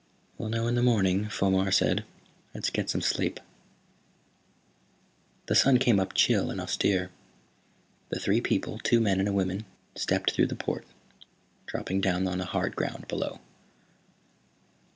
"We'll know in the morning," Fomar said. "Let's get some sleep." The sun came up chill and austere. The three people, two men and a woman, stepped through the port, dropping down on the hard ground below.